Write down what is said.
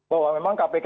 bahwa memang kpk